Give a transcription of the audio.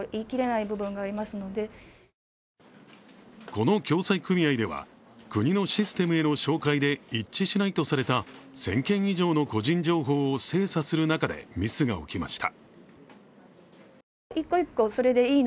この共済組合では国のシステムへの照会で一致しないとされた１０００件以上の個人情報を精査する中でミスが起きました。